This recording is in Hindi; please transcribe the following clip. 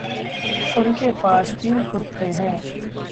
उनके पास तीन कुत्ते हैं।